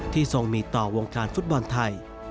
ทรงมีต่อวงการฟุตบอลไทย